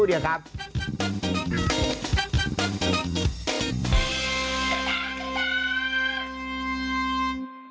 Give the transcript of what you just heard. ขึ้นจ้าขึ้นจ้า